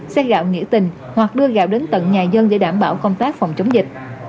xe gạo nghĩa tình hoặc đưa gạo đến tận nhà dân để đảm bảo công tác phòng chống dịch